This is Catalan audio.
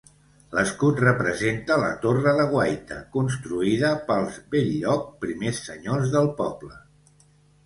L'escut representa la torre de guaita construïda pels Bell-lloc, primers senyors del poble.